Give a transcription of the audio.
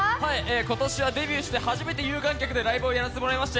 今年はデビューして初めて有観客でライブをやらせてもらいました。